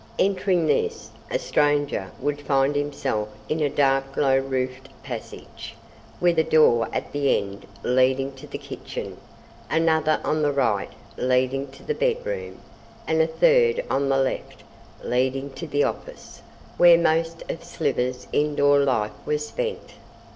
Entering this, a stranger would find himself in a dark low roofed passage, with a door at the end leading to the kitchen, another on the right leading to the bedroom, and a third on the left leading to the office, where most of Slivers' indoor life was spent.